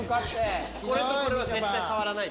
これとこれは絶対触らないで。